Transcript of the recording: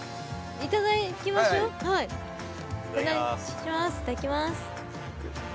いただきます。